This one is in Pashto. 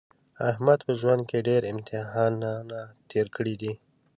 احمد په ژوند کې ډېر امتحانونه تېر کړي دي.